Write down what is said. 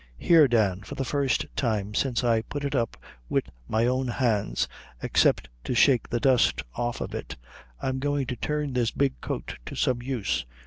Here, Dan, for the first time since I put it up wid my own hands, except to shake the dust off of it, I'm goin' to turn this big coat to some use.